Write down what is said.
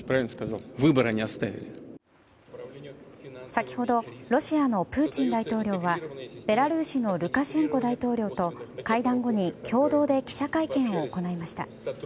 先ほどロシアのプーチン大統領はベラルーシのルカシェンコ大統領と会談後に共同で記者会見を行いました。